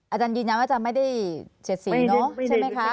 อาจารย์ยืนยังว่าอาจารย์ไม่ได้เฉียดสินเนอะ